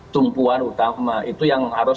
tumpuan utama itu yang harus